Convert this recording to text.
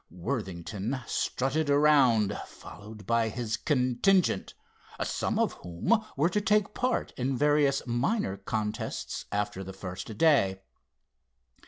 Worthington strutted around followed by his contingent, some of whom were to take part in various minor contests after the first day.